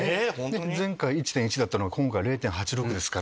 前回１．１だったのが今回０．８６ですから。